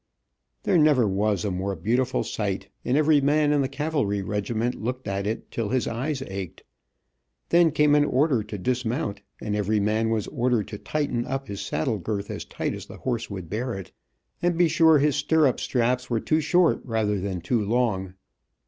There never was a more beautiful sight, and every man in the cavalry regiment looked at it till his eyes ached. Then came an order to dismount and every man was ordered to tighten up his saddle girth as tight as the horse would bear it, and be sure his stirrup straps were too short rather than too long.